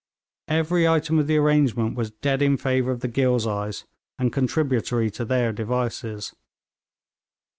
Every item of the arrangement was dead in favour of the Ghilzais, and contributory to their devices.